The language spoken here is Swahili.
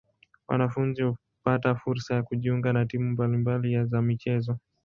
Wanafunzi hupata fursa ya kujiunga na timu mbali mbali za michezo.